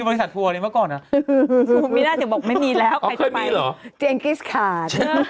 บริษัทเดียวกันมาเลยเห็นอ๋อลิง